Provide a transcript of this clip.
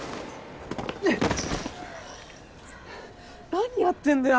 何やってんだよ